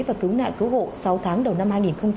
và cứu nạn cứu hộ sáu tháng đầu năm hai nghìn một mươi chín